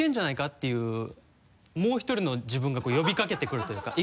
っていうもう１人の自分が呼びかけてくるというか。